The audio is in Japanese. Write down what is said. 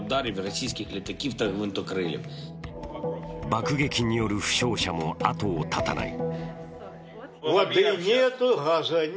爆撃による負傷者も後を絶たない。